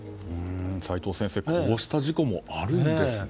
齋藤先生、こうした事故もあるんですね。